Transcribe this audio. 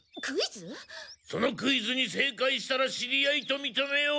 そのクイズに正解したら知り合いと認めよう。